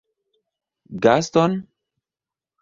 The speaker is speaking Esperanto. Gaston?